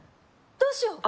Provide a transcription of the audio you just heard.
どうしよう